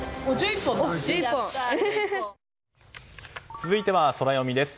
続いては、ソラよみです。